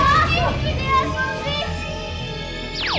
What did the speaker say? aneh sekali sepertinya